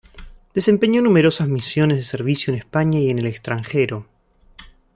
Desempeñó numerosas misiones de servicio en España y en el extranjero.